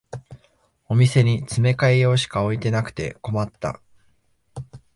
お店に詰め替え用しか置いてなくて困った